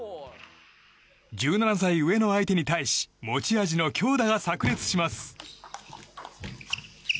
１７歳上の相手に対し持ち味の強打が炸裂します。